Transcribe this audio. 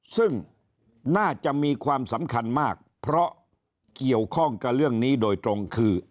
ซึ่งน่าจะมีความสำคัญมากเพราะเกี่ยวข้องกับเรื่องนี้โดยตรงคือ